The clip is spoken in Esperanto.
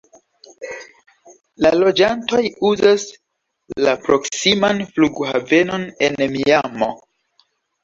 La loĝantoj uzas la proksiman flughavenon de Miamo.